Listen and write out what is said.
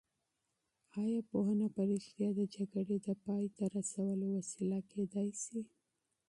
ایا پوهنه په رښتیا د جګړې د پای ته رسولو وسیله کېدای شي؟